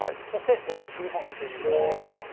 そして、西日本、見てみますと。